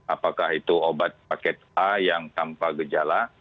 apakah itu obat paket a yang tanpa gejala